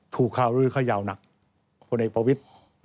ถูกเข้าด้วยขยาวหนักผู้เด็กประวิทธิ์